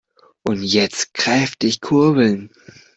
Und jetzt kräftig kurbeln!